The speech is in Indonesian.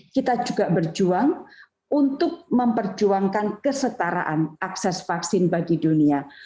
kita juga berjuang untuk memperjuangkan kesetaraan akses vaksin bagi dunia